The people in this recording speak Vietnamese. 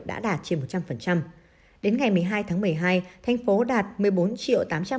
đã đạt trên một trăm linh đến ngày một mươi hai tháng một mươi hai thành phố đạt một mươi bốn tám trăm một mươi năm tám trăm sáu mươi bảy mũi